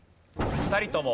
２人ともＢ。